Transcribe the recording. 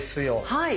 はい。